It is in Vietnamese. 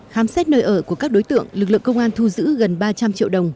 khám xét nơi ở của các đối tượng lực lượng công an thu giữ gần ba trăm linh triệu đồng